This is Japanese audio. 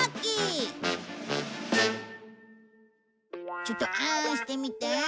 ちょっとアーンしてみて。